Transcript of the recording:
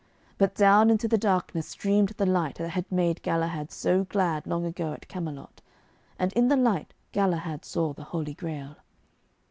But down into the darkness streamed the light that had made Galahad so glad long ago at Camelot. And in the light Galahad saw the Holy Grail.